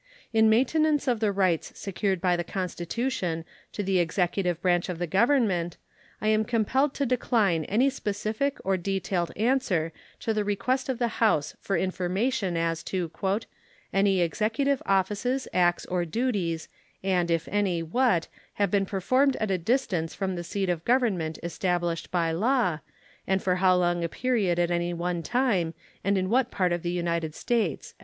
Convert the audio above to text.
In maintenance of the rights secured by the Constitution to the executive branch of the Government I am compelled to decline any specific or detailed answer to the request of the House for information as to "any executive offices, acts, or duties, and, if any, what, have been performed at a distance from the seat of Government established by law, and for how long a period at any one time and in what part of the United States."